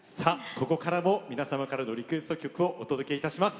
ここからも、皆様からのリクエスト曲をお届けします。